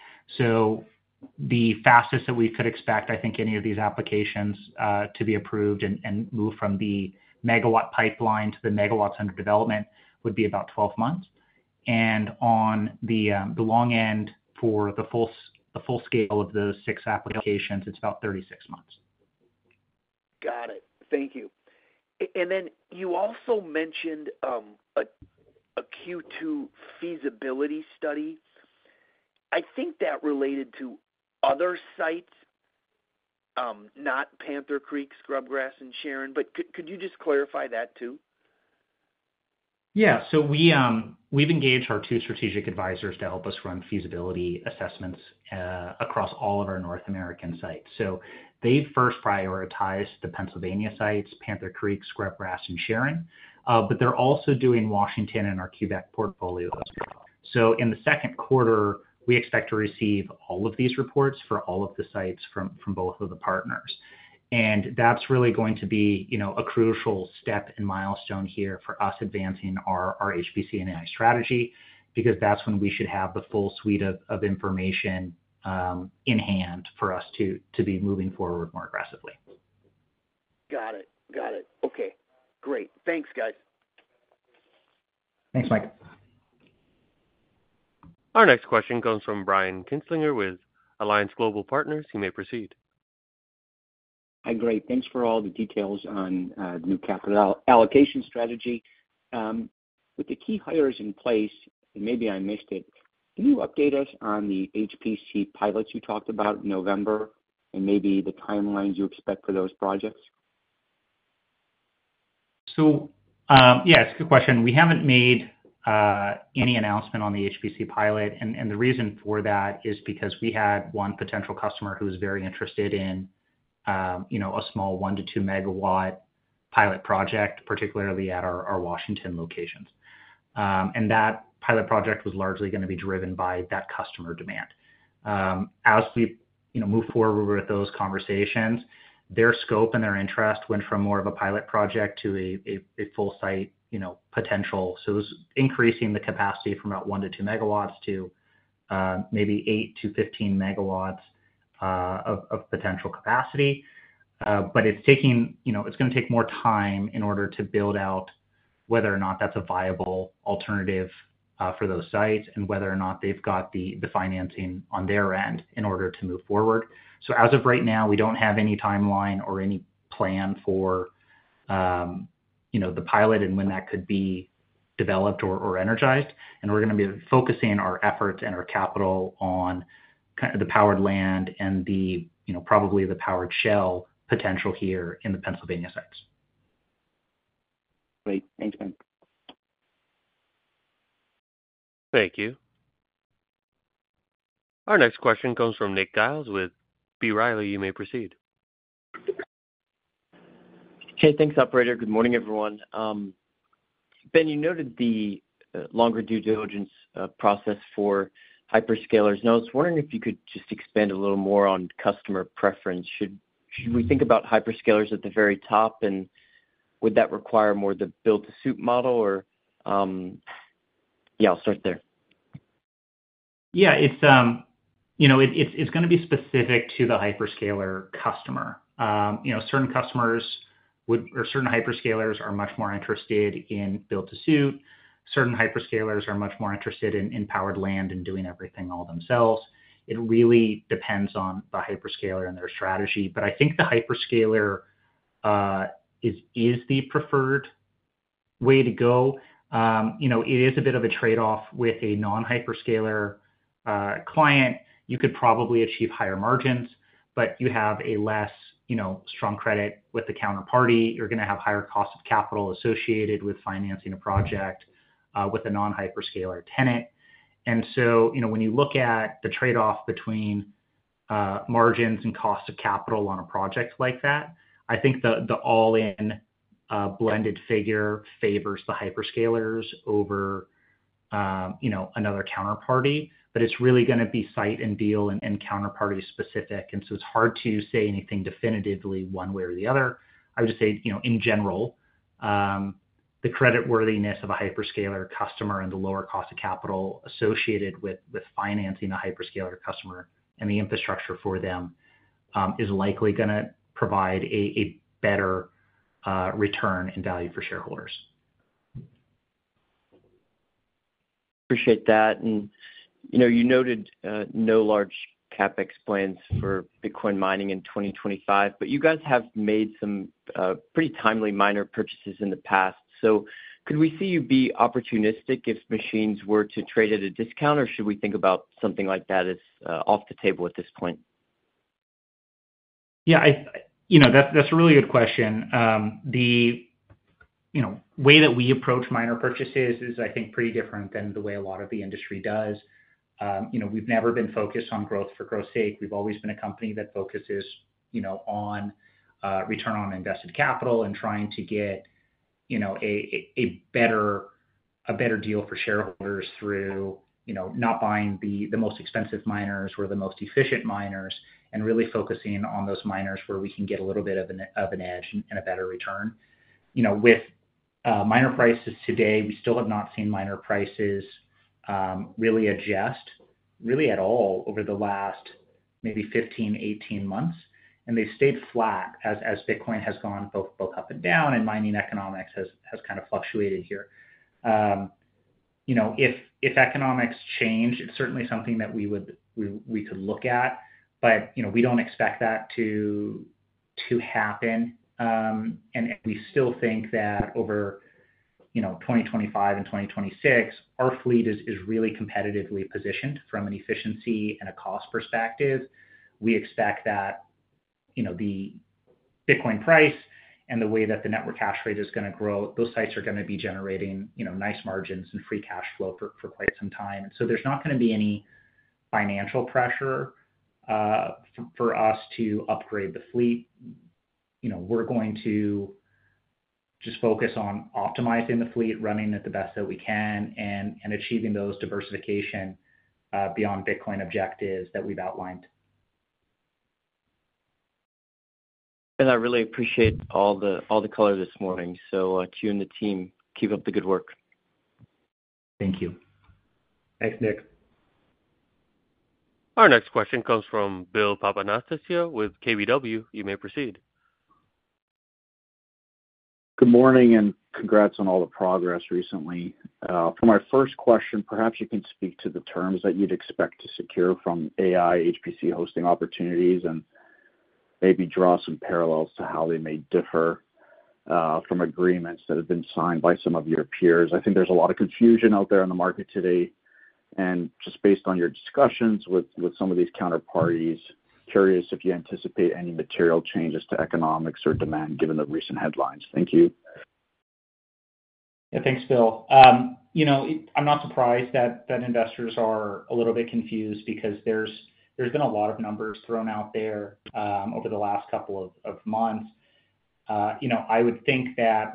The fastest that we could expect, I think, any of these applications to be approved and move from the megawatt pipeline to the megawatts under development would be about 12 months. On the long end for the full scale of those six applications, it's about 36 months. Got it. Thank you. You also mentioned a Q2 feasibility study. I think that related to other sites, not Panther Creek, Scrubgrass, and Sharon. Could you just clarify that too? Yeah. We've engaged our two strategic advisors to help us run feasibility assessments across all of our North American sites. They've first prioritized the Pennsylvania sites, Panther Creek, Scrubgrass, and Sharon. They're also doing Washington and our Quebec portfolio. In the second quarter, we expect to receive all of these reports for all of the sites from both of the partners. That's really going to be a crucial step and milestone here for us advancing our HPC/AI strategy because that's when we should have the full suite of information in hand for us to be moving forward more aggressively. Got it. Got it. Okay. Great. Thanks, guys. Thanks, Mike. Our next question comes from Brian Kinstlinger with Alliance Global Partners. You may proceed. Hi, Ben. Thanks for all the details on the new capital allocation strategy. With the key hires in place, and maybe I missed it, can you update us on the HPC pilots you talked about in November and maybe the timelines you expect for those projects? Yeah, it's a good question. We haven't made any announcement on the HPC pilot. The reason for that is because we had one potential customer who was very interested in a small one to two megawatt pilot project, particularly at our Washington locations. That pilot project was largely going to be driven by that customer demand. As we move forward with those conversations, their scope and their interest went from more of a pilot project to a full-site potential. It was increasing the capacity from about one to two megawatts to maybe 8-15 MW of potential capacity. It is going to take more time in order to build out whether or not that's a viable alternative for those sites and whether or not they've got the financing on their end in order to move forward. As of right now, we do not have any timeline or any plan for the pilot and when that could be developed or energized. We are going to be focusing our efforts and our capital on the powered land and probably the powered shell potential here in the Pennsylvania sites. Great. Thanks, Ben. Thank you. Our next question comes from Nick Giles with B. Riley. You may proceed. Hey, thanks, operator. Good morning, everyone. Ben, you noted the longer due diligence process for hyperscalers. I was wondering if you could just expand a little more on customer preference. Should we think about hyperscalers at the very top, and would that require more of the build-to-suit model? Or yeah, I will start there. Yeah. It is going to be specific to the hyperscaler customer. Certain customers or certain hyperscalers are much more interested in build-to-suit. Certain hyperscalers are much more interested in powered land and doing everything all themselves. It really depends on the hyperscaler and their strategy. I think the hyperscaler is the preferred way to go. It is a bit of a trade-off. With a non-hyperscaler client, you could probably achieve higher margins, but you have a less strong credit with the counterparty. You're going to have higher cost of capital associated with financing a project with a non-hyperscaler tenant. When you look at the trade-off between margins and cost of capital on a project like that, I think the all-in blended figure favors the hyperscalers over another counterparty. It is really going to be site and deal and counterparty specific. It is hard to say anything definitively one way or the other. I would just say, in general, the creditworthiness of a hyperscaler customer and the lower cost of capital associated with financing a hyperscaler customer and the infrastructure for them is likely going to provide a better return in value for shareholders. Appreciate that. You noted no large CapEx plans for Bitcoin mining in 2025, but you guys have made some pretty timely miner purchases in the past. Could we see you be opportunistic if machines were to trade at a discount, or should we think about something like that as off the table at this point? Yeah. That's a really good question. The way that we approach miner purchases is, I think, pretty different than the way a lot of the industry does. We've never been focused on growth for growth's sake. We've always been a company that focuses on return on invested capital and trying to get a better deal for shareholders through not buying the most expensive miners or the most efficient miners and really focusing on those miners where we can get a little bit of an edge and a better return. With miner prices today, we still have not seen miner prices really adjust, really at all, over the last maybe 15, 18 months. They've stayed flat as Bitcoin has gone both up and down, and mining economics has kind of fluctuated here. If economics change, it's certainly something that we could look at, but we don't expect that to happen. We still think that over 2025 and 2026, our fleet is really competitively positioned from an efficiency and a cost perspective. We expect that the Bitcoin price and the way that the network hash rate is going to grow, those sites are going to be generating nice margins and free cash flow for quite some time. There is not going to be any financial pressure for us to upgrade the fleet. We are going to just focus on optimizing the fleet, running it the best that we can, and achieving those diversification beyond Bitcoin objectives that we have outlined. Ben, I really appreciate all the color this morning. To you and the team, keep up the good work. Thank you. Thanks, Nick. Our next question comes from Bill Papanastasiou with KBW. You may proceed. Good morning and congrats on all the progress recently. For my first question, perhaps you can speak to the terms that you'd expect to secure from AI HPC hosting opportunities and maybe draw some parallels to how they may differ from agreements that have been signed by some of your peers. I think there's a lot of confusion out there in the market today. Just based on your discussions with some of these counterparties, curious if you anticipate any material changes to economics or demand given the recent headlines. Thank you. Yeah. Thanks, Bill. I'm not surprised that investors are a little bit confused because there's been a lot of numbers thrown out there over the last couple of months. I would think that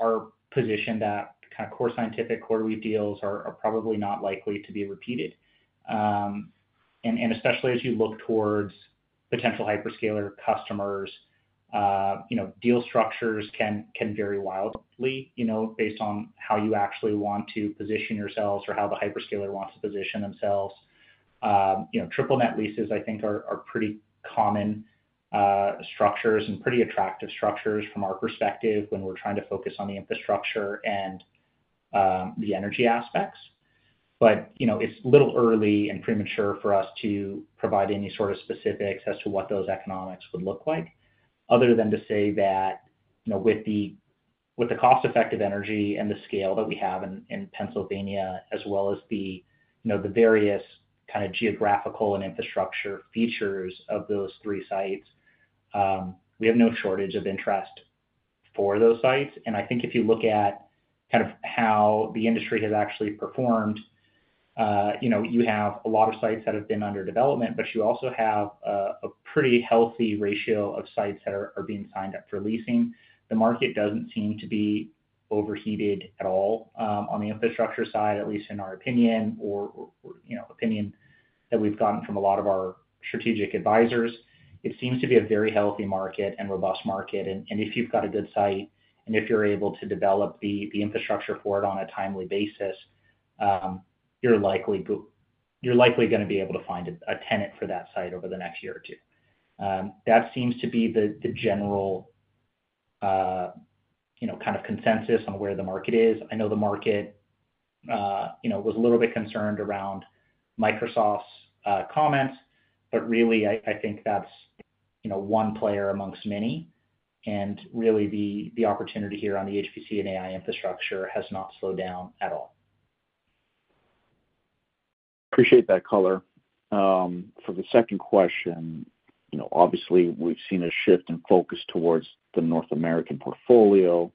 our position, that kind of Core Scientific quarterly deals are probably not likely to be repeated. Especially as you look towards potential hyperscaler customers, deal structures can vary wildly based on how you actually want to position yourselves or how the hyperscaler wants to position themselves. Triple-net leases, I think, are pretty common structures and pretty attractive structures from our perspective when we're trying to focus on the infrastructure and the energy aspects. It is a little early and premature for us to provide any sort of specifics as to what those economics would look like, other than to say that with the cost-effective energy and the scale that we have in Pennsylvania, as well as the various kind of geographical and infrastructure features of those three sites, we have no shortage of interest for those sites. I think if you look at kind of how the industry has actually performed, you have a lot of sites that have been under development, but you also have a pretty healthy ratio of sites that are being signed up for leasing. The market does not seem to be overheated at all on the infrastructure side, at least in our opinion or opinion that we have gotten from a lot of our strategic advisors. It seems to be a very healthy market and robust market. If you have got a good site and if you are able to develop the infrastructure for it on a timely basis, you are likely going to be able to find a tenant for that site over the next year or two. That seems to be the general kind of consensus on where the market is. I know the market was a little bit concerned around Microsoft's comments, but really, I think that's one player amongst many. Really, the opportunity here on the HPC/AI infrastructure has not slowed down at all. Appreciate that color. For the second question, obviously, we've seen a shift in focus towards the North American portfolio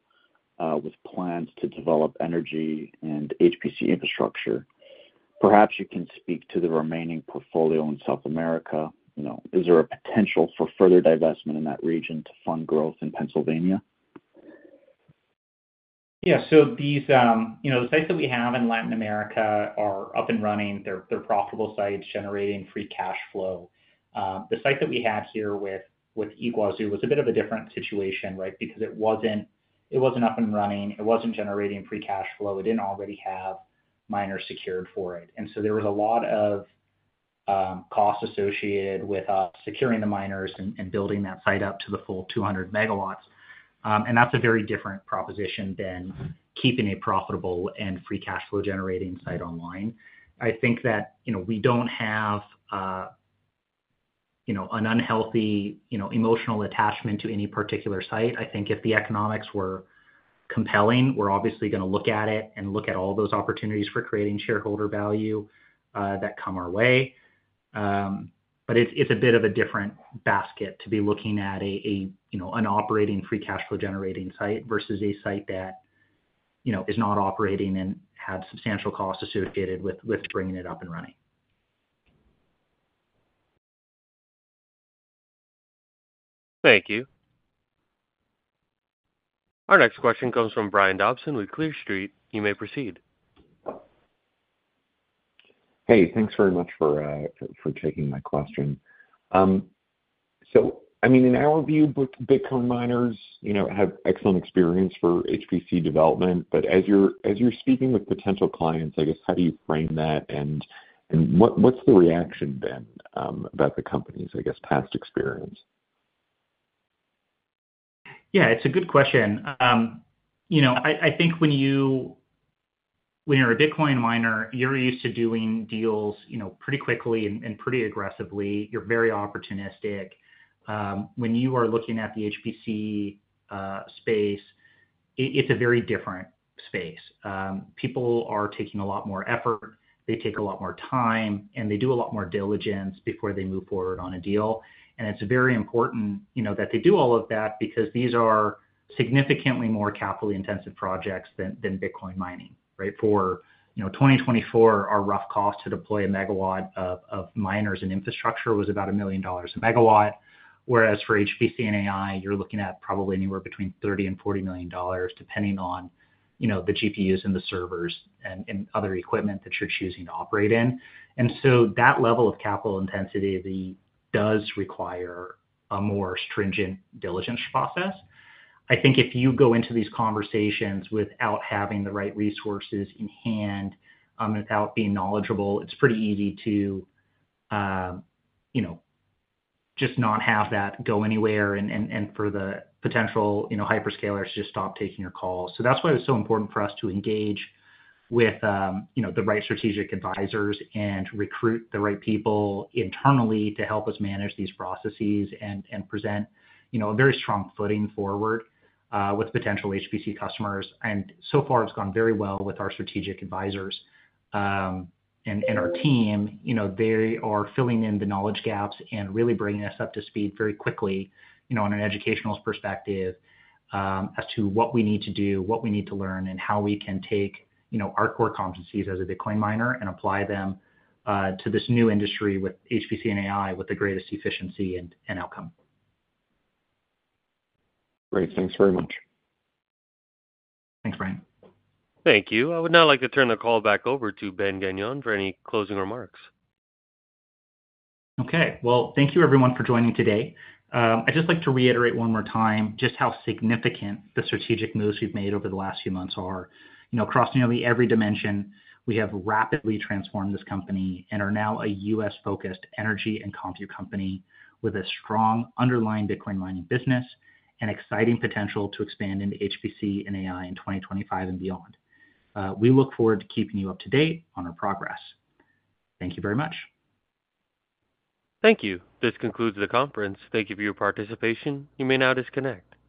with plans to develop energy and HPC infrastructure. Perhaps you can speak to the remaining portfolio in South America. Is there a potential for further divestment in that region to fund growth in Pennsylvania? Yeah. The sites that we have in Latin America are up and running. They're profitable sites generating free cash flow. The site that we had here with Yguazu was a bit of a different situation, right, because it wasn't up and running. It wasn't generating free cash flow. It didn't already have miners secured for it. There was a lot of cost associated with securing the miners and building that site up to the full 200 MW. That is a very different proposition than keeping a profitable and free cash flow generating site online. I think that we do not have an unhealthy emotional attachment to any particular site. I think if the economics were compelling, we are obviously going to look at it and look at all those opportunities for creating shareholder value that come our way. It is a bit of a different basket to be looking at an operating free cash flow generating site versus a site that is not operating and had substantial costs associated with bringing it up and running. Thank you. Our next question comes from Brian Dobson with Clear Street. You may proceed. Hey, thanks very much for taking my question. I mean, in our view, Bitcoin miners have excellent experience for HPC development. As you're speaking with potential clients, I guess, how do you frame that? What's the reaction been about the company's, I guess, past experience? Yeah. It's a good question. I think when you're a Bitcoin miner, you're used to doing deals pretty quickly and pretty aggressively. You're very opportunistic. When you are looking at the HPC space, it's a very different space. People are taking a lot more effort. They take a lot more time, and they do a lot more diligence before they move forward on a deal. It's very important that they do all of that because these are significantly more capital-intensive projects than Bitcoin mining, right? For 2024, our rough cost to deploy a megawatt of miners and infrastructure was about $1 million a megawatt, whereas for HPC/AI, you're looking at probably anywhere between $30 million and $40 million, depending on the GPUs and the servers and other equipment that you're choosing to operate in. That level of capital intensity does require a more stringent diligence process. I think if you go into these conversations without having the right resources in hand, without being knowledgeable, it's pretty easy to just not have that go anywhere and for the potential hyperscalers to just stop taking your call. That is why it's so important for us to engage with the right strategic advisors and recruit the right people internally to help us manage these processes and present a very strong footing forward with potential HPC customers. So far, it's gone very well with our strategic advisors and our team. They are filling in the knowledge gaps and really bringing us up to speed very quickly on an educational perspective as to what we need to do, what we need to learn, and how we can take our core competencies as a Bitcoin miner and apply them to this new industry with HPC/AI with the greatest efficiency and outcome. Great. Thanks very much. Thanks, Brian. Thank you. I would now like to turn the call back over to Ben Gagnon for any closing remarks. Okay. Thank you, everyone, for joining today. I'd just like to reiterate one more time just how significant the strategic moves we've made over the last few months are. Across nearly every dimension, we have rapidly transformed this company and are now a U.S.-focused energy and compute company with a strong underlying Bitcoin mining business and exciting potential to expand into HPC/AI in 2025 and beyond. We look forward to keeping you up to date on our progress. Thank you very much. Thank you. This concludes the conference. Thank you for your participation. You may now disconnect.